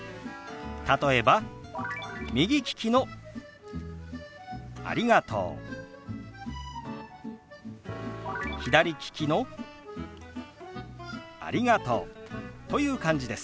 例えば右利きの「ありがとう」左利きの「ありがとう」という感じです。